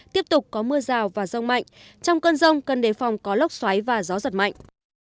tiếp tục có mưa rào và rông mạnh trong cơn rông cần đề phòng có lốc xoáy và gió giật mạnh